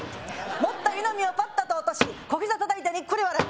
「持った湯のみをバッタと落とし小膝たたいてにっこり笑い」